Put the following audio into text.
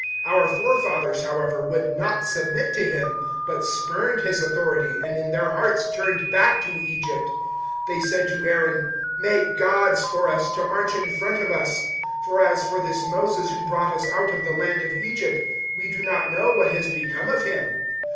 007:039 "Our forefathers, however, would not submit to him, but spurned his authority and in their hearts turned back to Egypt. 007:040 They said to Aaron, "`Make gods for us, to march in front of us; for as for this Moses who brought us out of the land of Egypt, we do not know what has become of him.'